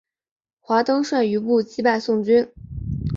华登率余部击败宋军。